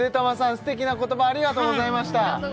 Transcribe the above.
素敵な言葉ありがとうございました